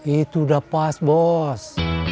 itu udah pas bos